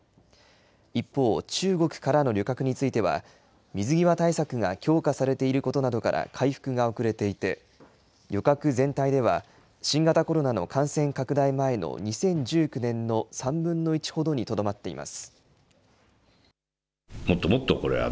一方、中国からの旅客については、水際対策が強化されていることなどから回復が遅れていて、旅客全体では新型コロナの感染拡大前の２０１９年の３分の１ほどにとどまっています。